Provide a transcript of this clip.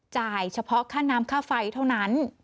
เฉพาะค่าน้ำค่าไฟเท่านั้น